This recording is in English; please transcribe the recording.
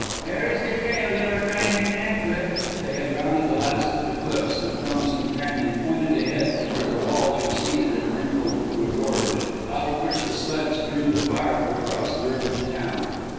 "There is the trail you are trying to connect with." They had rounded the last of the cliffs, and Frona's companion pointed ahead to where the walls receded and wrinkled to a gorge, out of which the sleds drew the firewood across the river to town.